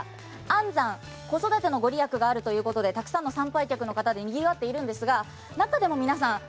安産・子育てのご利益があるということでたくさんの参拝客の方でにぎわっているんですが中でも皆さん